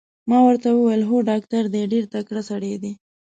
ما ورته وویل: هو ډاکټر دی، ډېر تکړه سړی دی.